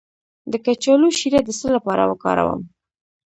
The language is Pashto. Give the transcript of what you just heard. د کچالو شیره د څه لپاره وکاروم؟